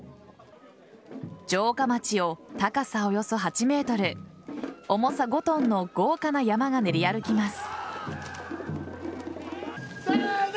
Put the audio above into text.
城下町を高さおよそ８ｍ重さ５ｔの豪華な車山が練り歩きます。